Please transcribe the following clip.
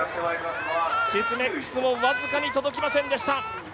シスメックスも僅かに届きませんでした。